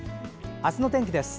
あすの天気です。